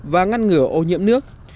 và ngăn ngừa ô nhiễm nước